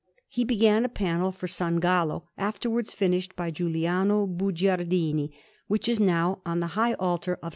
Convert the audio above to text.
He began a panel for S. Gallo, afterwards finished by Giuliano Bugiardini, which is now on the high altar of S.